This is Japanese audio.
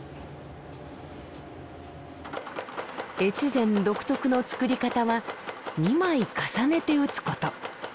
越前独特の作り方は２枚重ねて打つこと。